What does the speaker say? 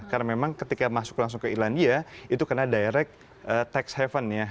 karena memang ketika masuk langsung ke irlandia itu kena direct tax haven ya